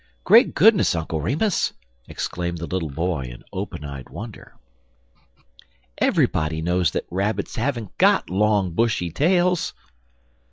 "Great goodness, Uncle Remus!" exclaimed the little boy in open eyed wonder, "everybody knows that rabbits haven't got long, bushy tails."